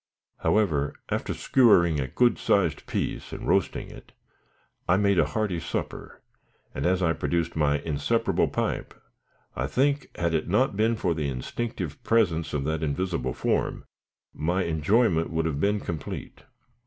However, after skewering a good sized piece and roasting it, I made a hearty supper; and, as I produced my inseparable pipe, I think, had it not been for the instinctive presence of that invisible form, my enjoyment would have been complete.